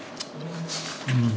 うん。